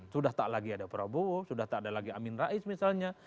sudah tak lagi ada prabowo sudah tak ada lagi amin rais misalnya